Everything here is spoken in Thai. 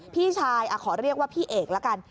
พี่ชายขอเรียกว่าพี่เอกละกัน